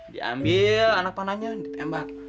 diambil anak panahnya ditembak